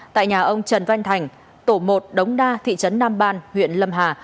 tại nhà ông trần văn thành tổ một đống đa thị trấn nam ban huyện lâm hà